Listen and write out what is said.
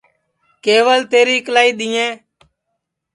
کیول تیری اِکلائی دؔیں